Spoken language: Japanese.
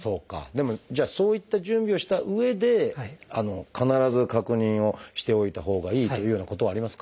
でもじゃあそういった準備をしたうえで必ず確認をしておいたほうがいいというようなことはありますか？